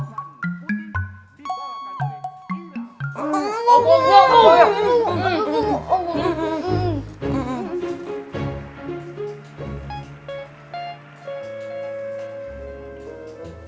hai ayo atau dimakan jangan malu malu